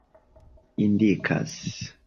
indikas